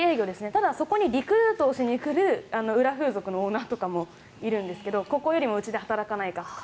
ただ、そこにリクルートをしにくる裏風俗の女がいるんですがここよりもうちで働かないかとか。